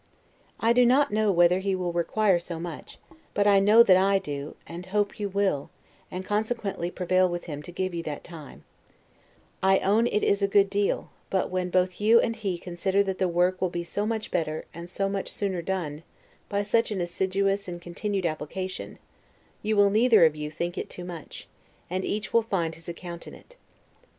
I do not know whether he will require so much; but I know that I do, and hope you will, and consequently prevail with him to give you that time; I own it is a good deal: but when both you and he consider that the work will be so much better, and so much sooner done, by such an assiduous and continued application, you will, neither of you, think it too much, and each will find his account in it.